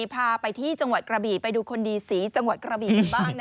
พาไปที่จังหวัดกระบี่ไปดูคนดีสีจังหวัดกระบีกันบ้าง